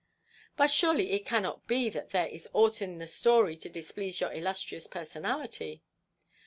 But surely it cannot be that there is aught in the story to displease your illustrious personality?"